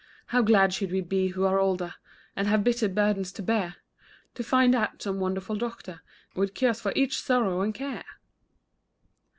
How glad should we be, who are older, And have bitter burdens to bear, To find out some wonderful doctor With cures for each sorrow and care!